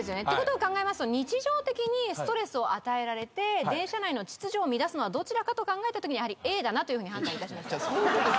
ってことを考えますと日常的にストレスを与えられて電車内の秩序を乱すのはどちらかと考えたときにやはりＡだなというふうに判断いたしました。